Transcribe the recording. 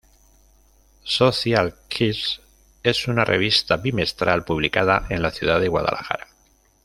Social Kids es una revista bimestral, publicada en la ciudad de Guadalajara.